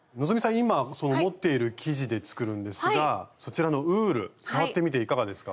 今その持っている生地で作るんですがそちらのウール触ってみていかがですか？